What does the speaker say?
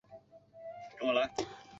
一个有家室的男人！